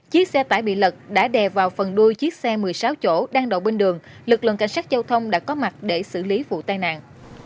chiếc xe tải bị lật đã đè vào phần đuôi chiếc xe một mươi sáu chỗ đang đậu bên đường lực lượng cảnh sát giao thông đã có mặt để xử lý vụ tai nạn